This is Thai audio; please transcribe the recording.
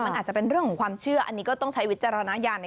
มันอาจจะเป็นเรื่องของความเชื่ออันนี้ก็ต้องใช้วิจารณญาณ